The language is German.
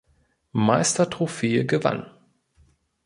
Meistertrophäe gewann.